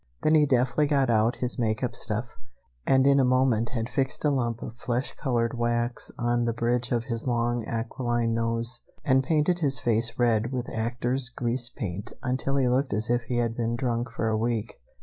Then he deftly got out his make up stuff, and in a moment had fixed a lump of flesh colored wax on the bridge of his long aquiline nose, and painted his face red with actors' grease paint until he looked as if he had been drunk for a week.